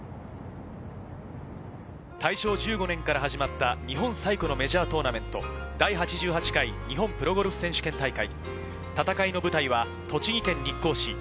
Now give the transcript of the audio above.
大正１５年から始まった日本最古のメジャートーナメント、第８８回日本プロゴルフ選手権大会。